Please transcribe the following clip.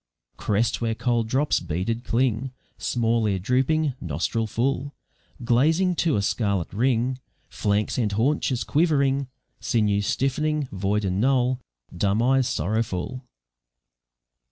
Crest where cold drops beaded cling, Small ear drooping, nostril full, Glazing to a scarlet ring, Flanks and haunches quivering, Sinews stiff'ning, void and null, Dumb eyes sorrowful.